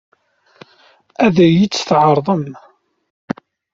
Ad iyi-tt-tɛeṛḍem?